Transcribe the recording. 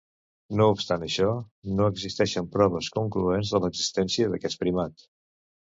No obstant això, no existeixen proves concloents de l'existència d'aquest primat.